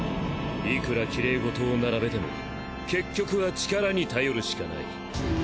いくらきれいごとを並べても結局は力に頼るしかない。